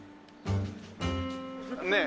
ねえ。